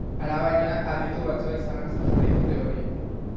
Alabaina, aditu batzuek zalantzan jarri dute hori.